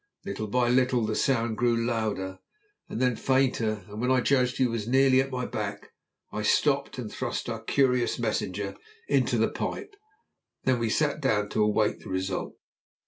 Little by little the sound grew louder, and then fainter, and when I judged he was nearly at my back, I stooped and thrust our curious messenger into the pipe. Then we sat down to await the result.